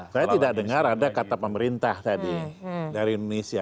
saya tidak dengar ada kata pemerintah tadi dari indonesia